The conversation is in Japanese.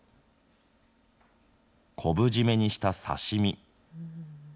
昆布締めにした刺身。